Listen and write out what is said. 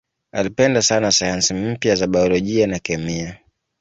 Alipenda sana sayansi mpya za biolojia na kemia.